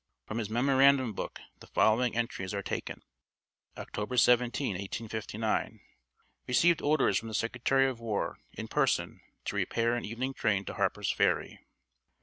From his memorandum book the following entries are taken: "October 17, 1859. Received orders from the Secretary of War, in person, to repair in evening train to Harper's Ferry.